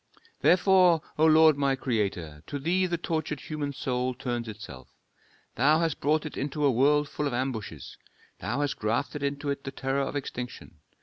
"Therefore, O Lord, my Creator, to Thee the tortured human soul turns itself. Thou hast brought it into a world full of ambushes, Thou hast grafted into it the terror of extinction.